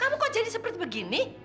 kamu kok jadi seperti begini